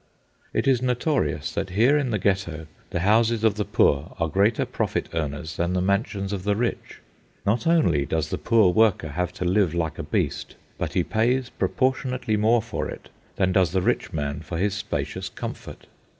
It is notorious that here in the Ghetto the houses of the poor are greater profit earners than the mansions of the rich. Not only does the poor worker have to live like a beast, but he pays proportionately more for it than does the rich man for his spacious comfort.